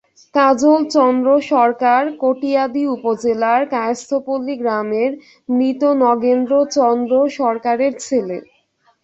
কাজল চন্দ্র সরকার কটিয়াদী উপজেলার কায়েস্থপল্লি গ্রামের মৃত নগেন্দ্র চন্দ্র সরকারের ছেলে।